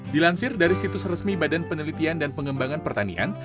dilansir dari situs resmi badan penelitian dan pengembangan pertanian